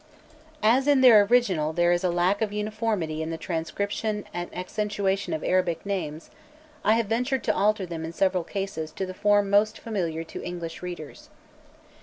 As in the original there is a lack of uniformity in the transcription and accentuation of Arabic names, I have ventured to alter them in several cases to the form most familiar to English readers.